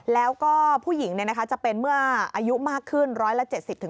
แล้วก็ผู้หญิงจะเป็นเมื่ออายุมากขึ้น๑๗๐